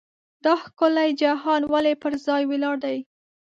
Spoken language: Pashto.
دا ښکلی جهان ولې پر ځای ولاړ دی.